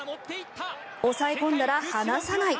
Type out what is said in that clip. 抑え込んだら離さない。